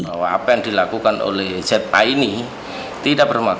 pencabutan bap ini dilakukan dua hari usai pelaksanaan